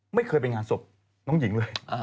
ไม่เคยไปงานศพน้องหญิงเลย